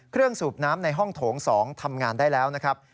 สูบน้ำในห้องโถง๒ทำงานได้แล้วนะครับ